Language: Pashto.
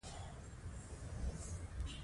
داسې ښکاري چې توکي په انسان باندې برلاسي او مسلط دي